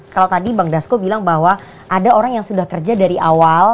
kalau tadi bang dasko bilang bahwa ada orang yang sudah kerja dari awal